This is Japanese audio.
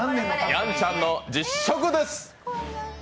やんちゃんの実食です！